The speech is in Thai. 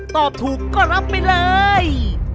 ตอบถูกก็รับไปเลย